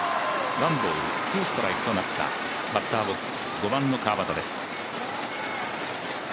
ワンボール、ツーストライクとなったバッターボックス５番の川畑です。